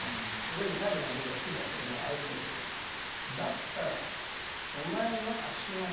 でも多分僕は好きだと思う愛してると思うんですよ。